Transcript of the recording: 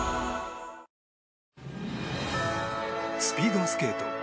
スピードスケート